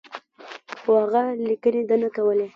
خو هغه لیکني ده نه کولې.